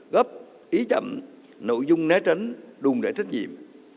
gấp ý chậm nội dung né tránh đùng đại trách nhiệm